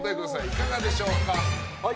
いかがでしょうか？